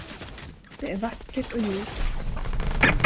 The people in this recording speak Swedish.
Det är vackert och ljuvt.